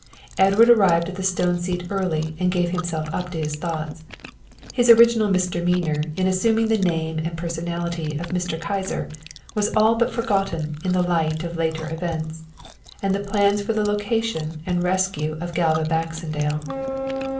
Edward arrived at the stone seat early and gave himself up to his thoughts. His original misdemeanour in assuming the name and personality of Mr. Kyser was all but forgotten in the light of later events, and the plans for the location and rescue of Galva Baxendale.